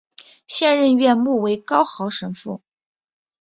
现任院牧为高豪神父。